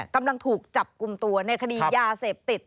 กำลังถูกจับกลุ่มตัวในคดียาเสพติด